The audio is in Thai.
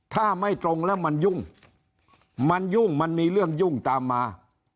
ถ้าไม่ตรงแล้วมันยุ่งมันยุ่งมันมีเรื่องยุ่งตามมา